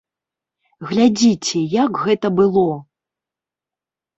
Глядзіце, як гэта было!